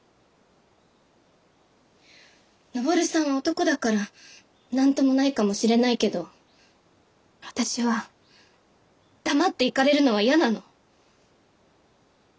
登さんは男だから何ともないかもしれないけど私は黙って行かれるのは嫌なの。